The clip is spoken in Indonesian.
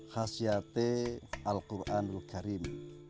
khasyate al qur'an al karim